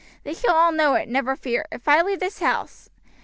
They shall all know it, never fear, if I leave this house.